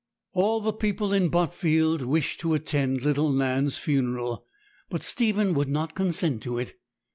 All the people in Botfield wished to attend little Nan's funeral, but Stephen would not consent to it.